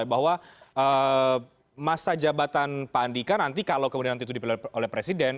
bahwa masa jabatan pak andika nanti kalau kemudian nanti itu dipilih oleh presiden